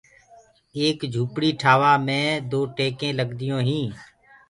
ايڪ جُهپڙي ٺآوآ مي دو ٽيڪينٚ لگديٚونٚ هينٚ۔